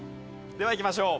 ではいきましょう。